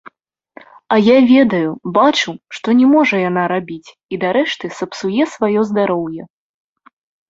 А я ведаю, бачу, што не можа яна рабіць і дарэшты сапсуе сваё здароўе.